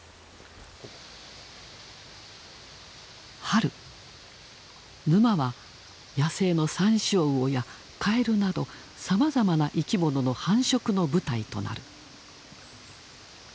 春沼は野生のサンショウウオやカエルなどさまざまな生き物の繁殖の舞台となる。